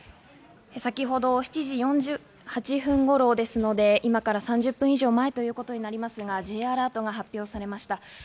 先ほど７時４８分頃ですので、今から３０分以上前ということになりますが、Ｊアラートが発表されました。